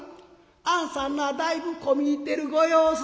「あんさんなだいぶ込み入ってるご様子」。